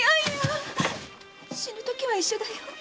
死ぬときは一緒だよ。